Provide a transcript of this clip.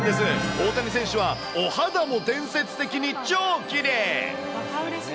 大谷選手は、お肌も伝説的に超きれい。